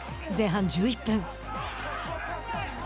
前半１１分。